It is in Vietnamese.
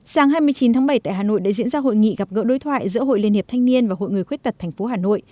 sáng hai mươi chín tháng bảy tại hà nội đã diễn ra hội nghị gặp gỡ đối thoại giữa hội liên hiệp thanh niên và hội người khuyết tật tp hà nội